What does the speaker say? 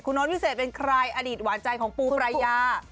โน้ตวิเศษเป็นใครอดีตหวานใจของปูปรายา